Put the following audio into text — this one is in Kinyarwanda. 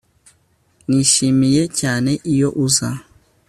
Nishimiye cyane iyo uza